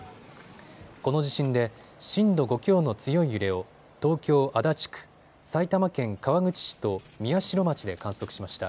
この地震で震度５強の強い揺れを東京足立区、埼玉県川口市と宮代町で観測しました。